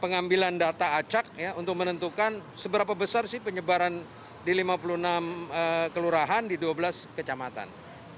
pengambilan data acak untuk menentukan seberapa besar sih penyebaran di lima puluh enam kelurahan di dua belas kecamatan